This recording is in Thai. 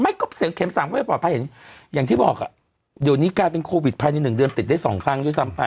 ไม่ก็เสียเข็ม๓ไม่ปลอดภัยอย่างที่บอกอะเดี๋ยวนี้กลายเป็นโควิดภายใน๑เดือนติดได้๒ครั้งด้วยซ้ำไป